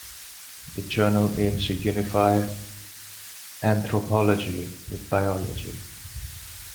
The journal aims to unify anthropology with biology.